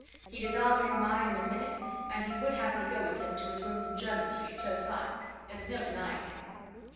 He'd his arm in mine in a minute, and he would have me go with him to his rooms in Jermyn Street, close by there was no denying him.